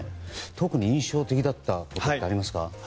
特に印象的だったことはありますか？